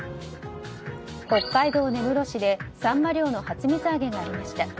北海道根室市でサンマ漁の初水揚げがありました。